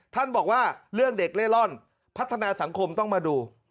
ท่านบอกว่าเรื่องเด็กเล่ร่อนพัฒนาสังคมต้องมาดู